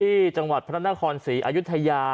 ที่จังหวัดพระนครศรีอายุทยา